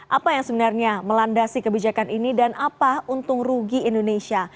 apa yang sebenarnya melandasi kebijakan ini dan apa untung rugi indonesia